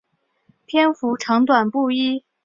篇幅长短不一。